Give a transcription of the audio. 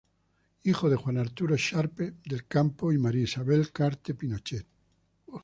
Hijo de Juan Arturo Sharpe del Campo y María Isabel Carte Pinochet.